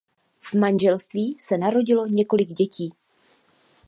V manželství se narodilo několik dětí.